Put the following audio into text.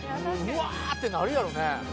うわってなるやろね